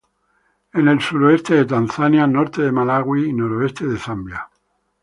En el suroeste de Tanzania, norte de Malawi y noreste de Zambia.